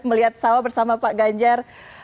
melihat sawah bersama pak ganjar